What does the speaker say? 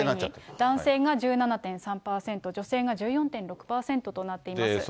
男性が１７．３％、女性が１４．６％となっています。